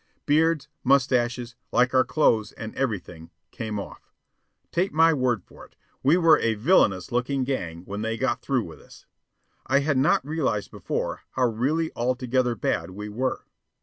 Beards, mustaches, like our clothes and everything, came off. Take my word for it, we were a villainous looking gang when they got through with us. I had not realized before how really altogether bad we were.